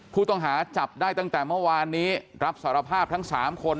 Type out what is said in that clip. ผู้ต้องหาจับได้ตั้งแต่เมื่อวานนี้รับสารภาพทั้ง๓คน